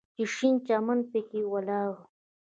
چې شين چمن پکښې ولاړ و.